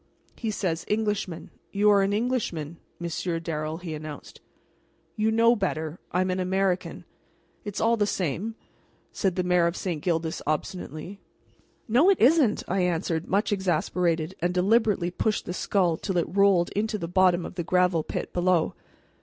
"And he says 'Englishman.' You are an Englishman, Monsieur Darrel," he announced. "You know better. You know I'm an American." "It's all the same," said the Mayor of St. Gildas, obstinately. "No, it isn't!" I answered, much exasperated, and deliberately pushed the skull till it rolled into the bottom of the gravel pit below.